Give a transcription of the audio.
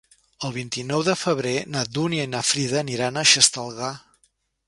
El vint-i-nou de febrer na Dúnia i na Frida aniran a Xestalgar.